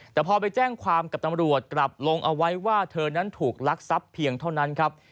แต่พอไปแจ้งความกับตำรวจกลับลงเอาไว้ว่าเธอนั้นถูกลักทรัพย์เพียงเท่านั้นครับ